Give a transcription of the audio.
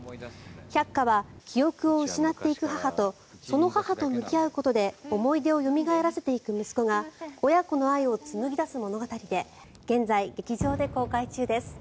「百花」は記憶を失っていく母とその母と向き合うことで思い出をよみがえらせていく息子が親子の愛を紡ぎ出す物語で現在、劇場で公開中です。